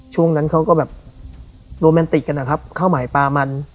ช่วงนั้นเขาก็แบบโรแมนติกกันนะครับข้าวหมายปลามัน